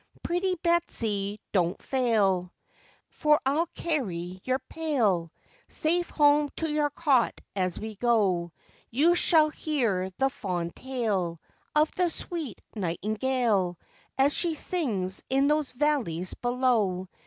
'Pretty Betsy, don't fail, For I'll carry your pail, Safe home to your cot as we go; You shall hear the fond tale Of the sweet nightingale, As she sings in those valleys below.